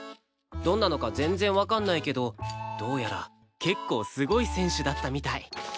どんなのか全然わかんないけどどうやら結構すごい選手だったみたい